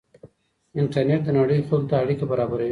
انټرنېټ د نړۍ خلکو ته اړیکه برابروي.